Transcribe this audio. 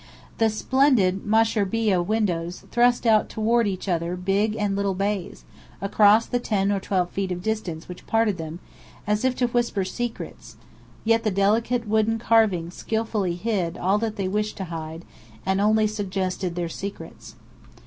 The splendid mushrbiyeh windows thrust out toward each other big and little bays, across the ten or twelve feet of distance which parted them, as if to whisper secrets; yet the delicate wooden carvings skilfully hid all that they wished to hide, and only suggested their secrets.